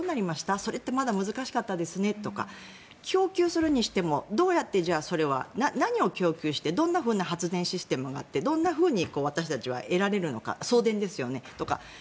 それってまだ難しかったですねとか供給するにしてもどうやってそれは何を供給してどのような発電システムがあってどんなふうに私たちは得られるのか送電ですよね。